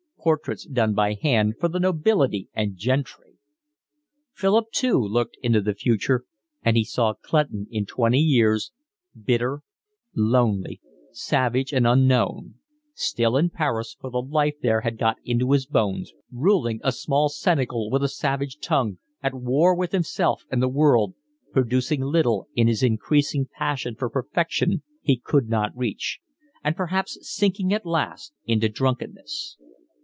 Portraits done by hand for the nobility and gentry!" Philip, too, looked into the future, and he saw Clutton in twenty years, bitter, lonely, savage, and unknown; still in Paris, for the life there had got into his bones, ruling a small cenacle with a savage tongue, at war with himself and the world, producing little in his increasing passion for a perfection he could not reach; and perhaps sinking at last into drunkenness.